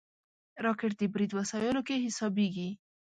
راکټ د برید وسایلو کې حسابېږي